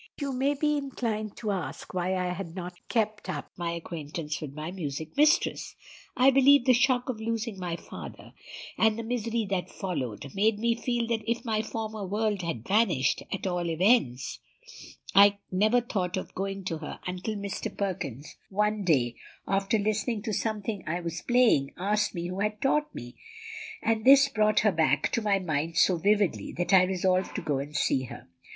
"You may be inclined to ask why I had not kept up my acquaintance with my music mistress. I believe the shock of losing my father, and the misery that followed, made me feel as if my former world had vanished; at all events, I never thought of going to her until Mr. Perkins one day, after listening to something I was playing, asked me who had taught me; and this brought her back to my mind so vividly that I resolved to go and see her.